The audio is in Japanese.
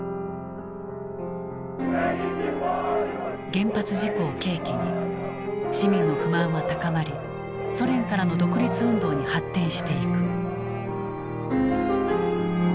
原発事故を契機に市民の不満は高まりソ連からの独立運動に発展していく。